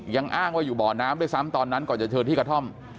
ยังอ้างว่าอยู่บ่อน้ำด้วยซ้ำตอนนั้นก่อนจะเชิญที่กระท่อม